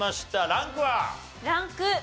ランク１。